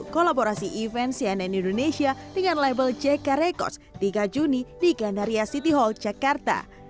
kolaborasi event cnn indonesia dengan label jk records tiga juni di gandaria city hall jakarta